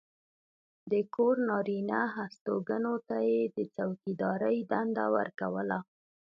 د کور نارینه هستوګنو ته یې د څوکېدارۍ دنده ورکوله.